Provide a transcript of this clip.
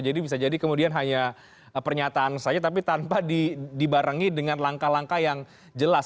jadi bisa jadi kemudian hanya pernyataan saja tapi tanpa dibarengi dengan langkah langkah yang jelas